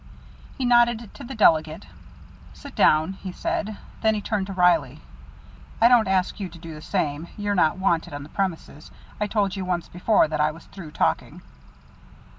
He nodded to the delegate. "Sit down," he said. Then he turned to Reilly. "I don't ask you to do the same. You're not wanted on the premises. I told you once before that I was through talking."